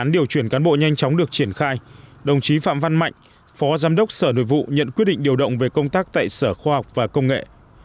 đồng chí phạm văn mạnh phó giám đốc sở nội vụ nhận quyết định điều động về công tác tại sở khoa học và công nghệ